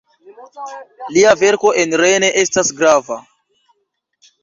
Lia verko en Rennes estas grava.